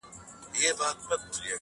• د توپان هیبت وحشت وو راوستلی -